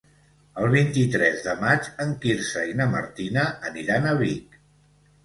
El vint-i-tres de maig en Quirze i na Martina aniran a Vic.